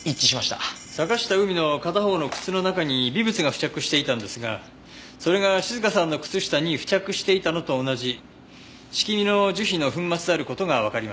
坂下海の片方の靴の中に微物が付着していたんですがそれが静香さんの靴下に付着していたのと同じシキミの樹皮の粉末である事がわかりました。